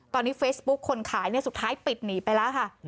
ตอนนี้เฟซบุ๊คคนขายสุดท้ายปิดหนีไปแล้วค่ะ